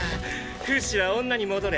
フシは女に戻れ。